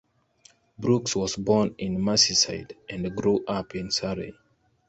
Brookes was born in Merseyside and grew up in Surrey.